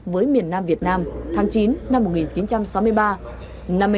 với miền nam việt nam tháng chín năm một nghìn chín trăm sáu mươi ba